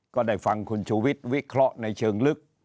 ก็ได้ฟังคุณชูวิทย์วิเคราะห์ในเชิงลึก